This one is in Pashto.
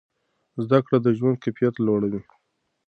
زده کړه د ژوند کیفیت لوړوي.